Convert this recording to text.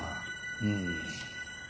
うん。